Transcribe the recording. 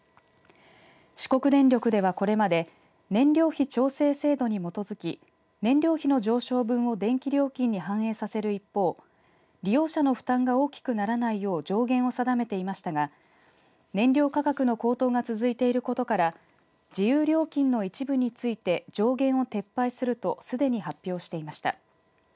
四国電力では、これまで燃料費調整制度に基づき燃料費の上昇分を電気料金に反映させる一方利用者の負担が大きくならないよう上限を定めていましたが燃料価格の高騰が続いていることから自由料金の一部について上限を撤廃するとすでに発表していました。